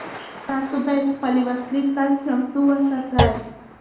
تاسو باید خپلې وسلې تل چمتو وساتئ.